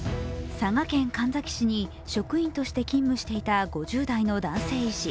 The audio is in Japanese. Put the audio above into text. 佐賀県神埼市に職員として勤務していた５０代の男性医師。